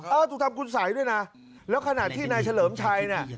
ถูกทำคุณสัยด้วยนะแล้วขณะที่นายเฉลิมชัยน่ะ